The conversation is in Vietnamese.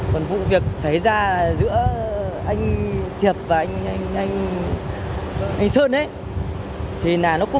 còn vụ việc xảy ra giữa anh thiệp và anh sơn ấy thì là nó có mâu thuẫn nhỏ thôi